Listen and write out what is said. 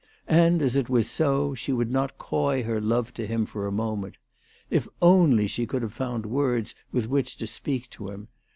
And, as it was so, she would not coy her love to him for a moment. If only she could have found words with which to speak to him